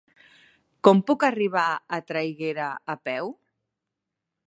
Com puc arribar a Traiguera a peu?